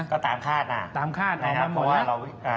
ก็ตามคาดนะตามคาดออกมาหมด